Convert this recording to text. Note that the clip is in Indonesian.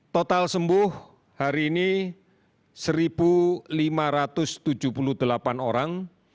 total sembuh hari ini satu lima ratus tujuh puluh delapan orang